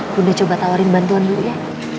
bunda coba tawarin bantuan dulu ya